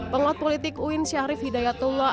penguat politik uin syarif hidayatullah